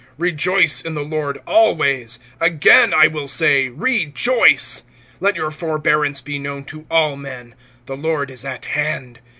(4)Rejoice in the Lord always; again I will say, rejoice. (5)Let your forbearance be known to all men. The Lord is at hand.